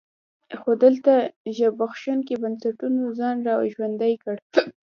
خو دلته زبېښونکي بنسټونو ځان را ژوندی کړ.